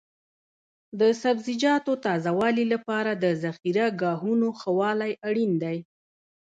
د سبزیجاتو تازه والي لپاره د ذخیره ګاهونو ښه والی اړین دی.